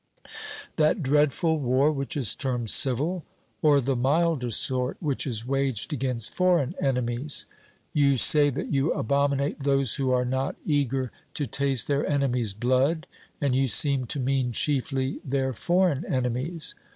that dreadful war which is termed civil, or the milder sort which is waged against foreign enemies? You say that you abominate 'those who are not eager to taste their enemies' blood,' and you seem to mean chiefly their foreign enemies.